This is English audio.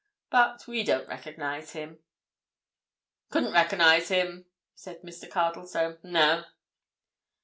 But—we don't recognize him." "Couldn't recognize him," said Mr. Cardlestone. "No!"